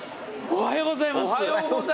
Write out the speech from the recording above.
おはようございます。